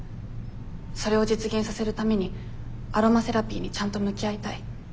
それを実現させるためにアロマセラピーにちゃんと向き合いたい。